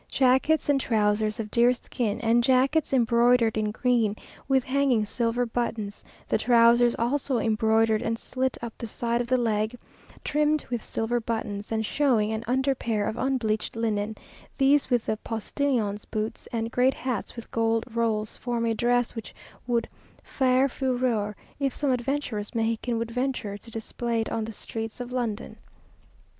Jackets and trousers of deerskin, and jackets embroidered in green, with hanging silver buttons, the trousers also embroidered and slit up the side of the leg, trimmed with silver buttons, and showing an under pair of unbleached linen; these, with the postilions' boots, and great hats with gold rolls, form a dress which would faire fureur, if some adventurous Mexican would venture to display it on the streets of London.